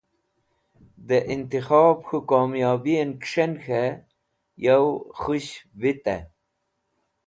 De Intikhob K̃hu Komyobiyen Kis̃hen K̃he Yow Khush Vitey